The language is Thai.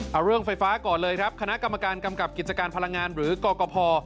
เอาเรื่องไฟฟ้าก่อนเลยครับคณะกรรมการกำกับกิจการพลังงานหรือกรกภ